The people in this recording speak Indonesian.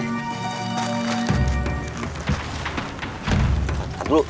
nggak mau gerak